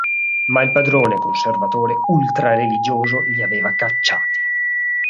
Ma il padrone, conservatore ultra-religioso, li aveva cacciati.